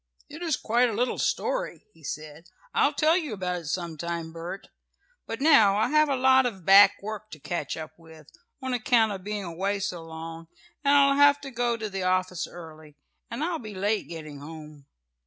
"It is quite a little story," he said. "I'll tell you about it some time, Bert. But now I have a lot of back work to catch up with, on account of being away so long, and I'll have to go to the office early, and I'll be late getting home."